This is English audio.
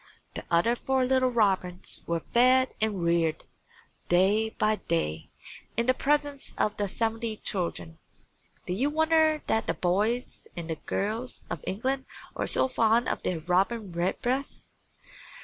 The other four little robins were fed and reared, day by day, in the presence of the seventy children. Do you wonder that the boys and girls of England are so fond of their Robin Redbreast?